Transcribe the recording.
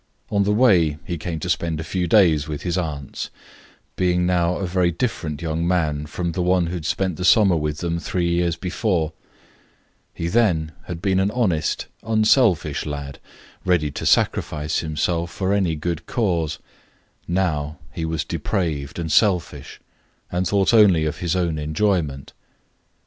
On the way he came to spend a few days with his aunts, being now a very different young man from the one who had spent the summer with them three years before. He then had been an honest, unselfish lad, ready to sacrifice himself for any good cause; now he was depraved and selfish, and thought only of his own enjoyment.